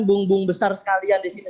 bumbung besar sekalian disini